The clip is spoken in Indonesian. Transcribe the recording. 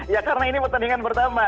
ya karena ini pertandingan pertama